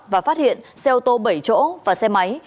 và phát hiện xe ô tô bảy chỗ và xe máy